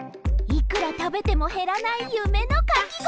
いくらたべてもへらないゆめのかきごおり！